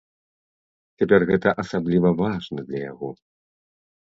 Цяпер гэта асабліва важна для яго.